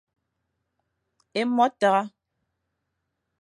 Ê mo tare.